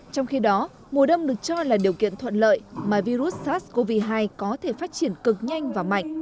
trong khi đó mùa đông được cho là điều kiện thuận lợi mà virus sars cov hai có thể phát triển cực nhanh và mạnh